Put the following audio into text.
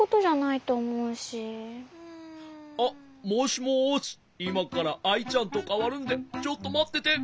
いまからアイちゃんとかわるんでちょっとまってて。